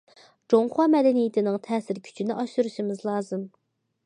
جۇڭخۇا مەدەنىيىتىنىڭ تەسىر كۈچىنى ئاشۇرۇشىمىز لازىم.